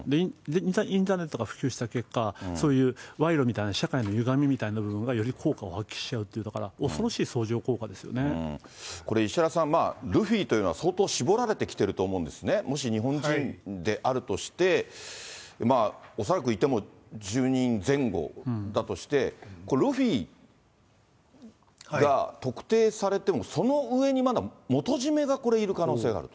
インターネットが普及した結果、そういう賄賂みたいな、社会の歪みみたいな部分がより効果を発揮しちゃうという、恐ろし石原さん、ルフィというのは、相当絞られてきていると思うんですね、もし日本人であるとして、恐らくいても１０人前後だとして、ルフィが特定されても、その上にまだ元締めがいる可能性があると。